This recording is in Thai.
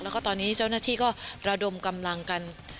แล้วก็ตอนนี้เจ้าหน้าที่ก็ระดมกำลังกัน